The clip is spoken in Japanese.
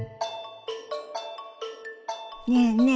ねえねえ